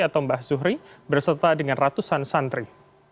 atau mbah zuhri berserta dengan ratusan santri